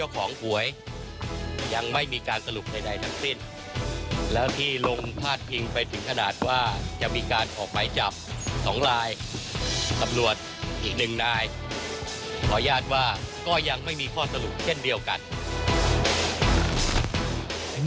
ของลายตำรวจอีกหนึ่งนายขออนุญาตว่าก็ยังไม่มีข้อสรุปเช่นเดียวกัน